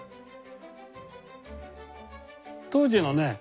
当時のね